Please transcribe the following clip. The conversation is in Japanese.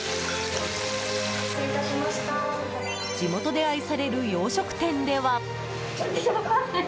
地元で愛される洋食店では。